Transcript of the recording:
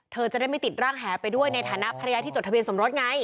เธอจะได้ไม่ติดร่างแหไปด้วยในฐานะภรรยาที่จดทะเบียนสมรสไง